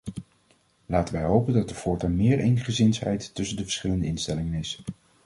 Laten wij hopen dat er voortaan meer eensgezindheid tussen de verschillende instellingen is.